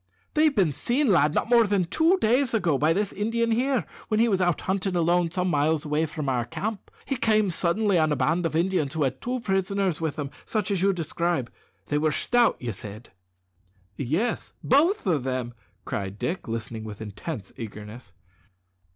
"They've been seen, lad, not more than two days ago, by this Indian here, when he was out hunting alone some miles away from our camp. He came suddenly on a band of Indians who had two prisoners with them, such as you describe. They were stout, said you?" "Yes, both of them," cried Dick, listening with intense eagerness.